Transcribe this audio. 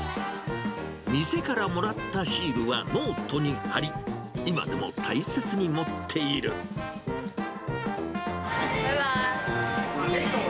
店からもらったシールはノートに貼り、今でも大切に持っていバイバイ。